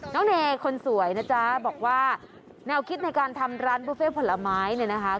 น้องเนคนสวยนะจ๊ะบอกว่าแนวคิดในการทำร้านบุฟเฟ่ผลไม้เนี่ยนะคะ